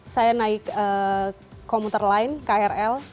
saya naik komuter lain krl